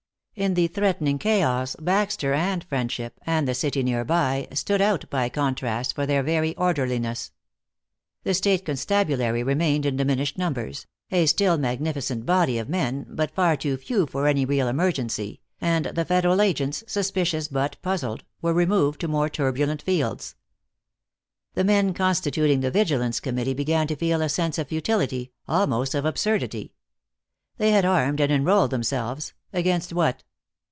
In the threatening chaos Baxter and Friendship, and the city nearby, stood out by contrast for their very orderliness. The state constabulary remained in diminished numbers, a still magnificent body of men but far too few for any real emergency, and the Federal agents, suspicious but puzzled, were removed to more turbulent fields. The men constituting the Vigilance Committee began to feel a sense of futility, almost of absurdity. They had armed and enrolled themselves against what?